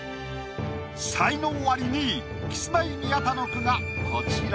才能アリ２位キスマイ宮田の句がこちら。